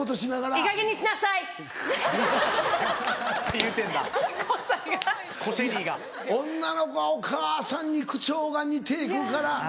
いや女の子はお母さんに口調が似て行くから。